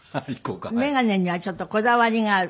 眼鏡にはちょっとこだわりがある。